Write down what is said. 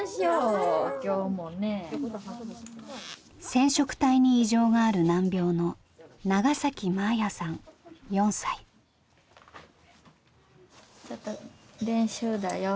染色体に異常がある難病のちょっと練習だよ。